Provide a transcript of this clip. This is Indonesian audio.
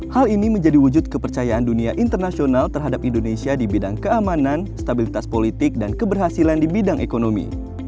hal ini menjadi wujud kepercayaan dunia internasional terhadap indonesia di bidang keamanan stabilitas politik dan keberhasilan di bidang ekonomi